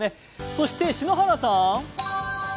そして、篠原さん！